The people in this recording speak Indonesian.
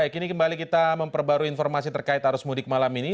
kini kembali kita memperbarui informasi terkait arus mudik malam ini